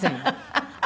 ハハハハ。